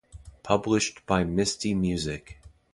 Published by Misty Music.